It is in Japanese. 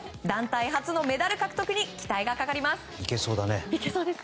団体初のメダル獲得に期待がかかります。